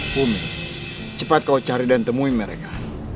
bumi cepat kau cari dan temui mereka